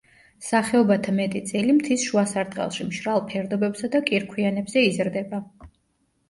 სახეობათა მეტი წილი მთის შუა სარტყელში, მშრალ ფერდობებსა და კირქვიანებზე იზრდება.